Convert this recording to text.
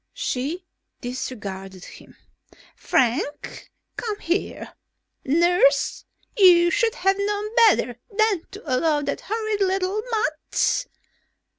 She disregarded him. "Frank! Come here! Nurse, you should have known better than to allow that horrid little mutt...."